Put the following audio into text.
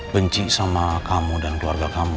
benci sama kamu dan keluarga kamu